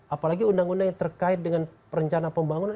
apalagi undang undang yang terkait dengan perencanaan pembangunan